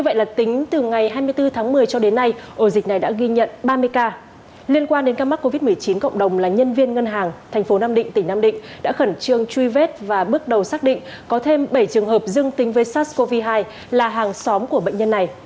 với quan đến ca mắc covid một mươi chín cộng đồng là nhân viên ngân hàng thành phố nam định tỉnh nam định đã khẩn trương truy vết và bước đầu xác định có thêm bảy trường hợp dương tính với sars cov hai là hàng xóm của bệnh nhân này